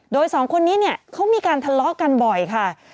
โดยสองคนนี้เนี่ยเขามีการทะเลาะกันบ่อยค่ะ